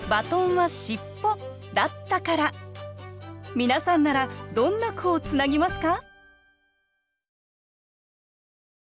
皆さんならどんな句をつなぎますか？